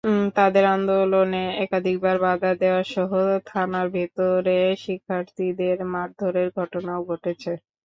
তাঁদের আন্দোলনে একাধিকবার বাধা দেওয়াসহ থানার ভেতরে শিক্ষার্থীদের মারধরের ঘটনাও ঘটেছে।